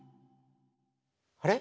あれ？